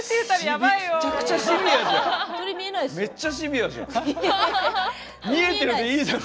めちゃくちゃシビアじゃん！